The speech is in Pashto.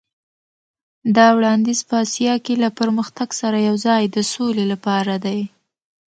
دا وړاندیز په اسیا کې له پرمختګ سره یو ځای د سولې لپاره دی.